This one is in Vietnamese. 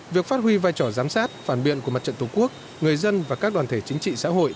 việc phát huy vai trò giám sát phản biện của mặt trận tổ quốc người dân và các đoàn thể chính trị xã hội